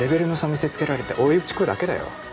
見せつけられて追い打ち食うだけだよ？